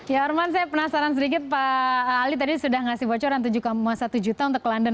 ya arman saya penasaran sedikit pak ali tadi sudah ngasih bocoran tujuh satu juta untuk london